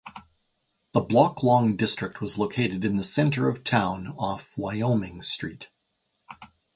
The block-long district was located in the center of town off Wyoming Street.